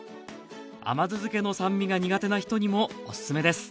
甘酢漬けの酸味が苦手な人にもおすすめです